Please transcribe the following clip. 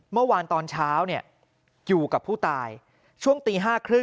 เมื่อวานตอนเช้าอยู่กับผู้ตายช่วงตี๕๓๐